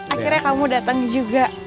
akhirnya kamu datang juga